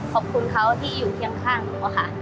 ขอบคุณเขาที่อยู่เคียงข้างหนูอะค่ะ